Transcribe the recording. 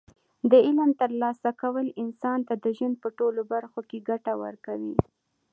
د علم ترلاسه کول انسان ته د ژوند په ټولو برخو کې ګټه ورکوي.